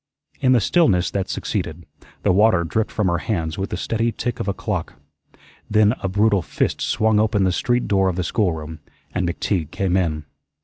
In the stillness that succeeded, the water dripped from her hands with the steady tick of a clock. Then a brutal fist swung open the street door of the schoolroom and McTeague came in.